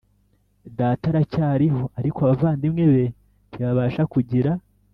data aracyariho Ariko abavandimwe be ntibabasha kugira